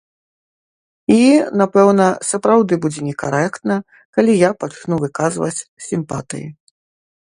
І, напэўна, сапраўды будзе некарэктна, калі я пачну выказваць сімпатыі.